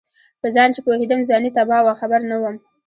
په ځان چې پوهېدم ځواني تباه وه خبر نه وم